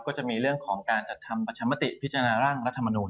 ก็จะมีเรื่องของการจัดทำประชามติพิจารณาร่างรัฐมนูล